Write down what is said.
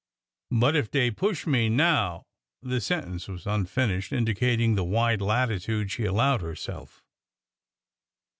But ef dey push me, now—" The sentence was unfinished, indicating the wide latitude she allowed herself.